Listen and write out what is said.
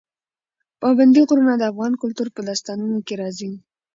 پابندی غرونه د افغان کلتور په داستانونو کې راځي.